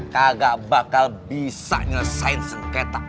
kagak bakal bisa nyelesain sengketa